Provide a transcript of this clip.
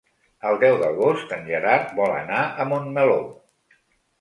El deu d'agost en Gerard vol anar a Montmeló.